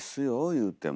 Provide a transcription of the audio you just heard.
言うても。